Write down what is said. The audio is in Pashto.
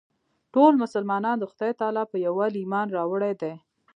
ټولو مسلمانانو د خدای تعلی په یووالي ایمان راوړی دی.